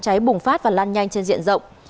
cháy bùng phát và lan nhanh trên diện rộng